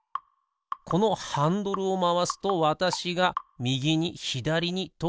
このハンドルをまわすとわたしがみぎにひだりにとうごく箱。